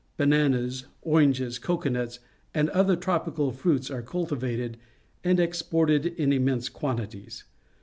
Bananas, oranges, cocoa nuts, and other tropical fniits are cultivated and exported in immense quantities.